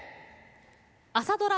朝ドラ